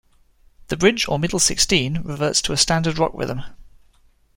The bridge, or middle sixteen, reverts to a standard rock rhythm.